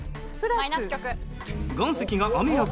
マイナス極。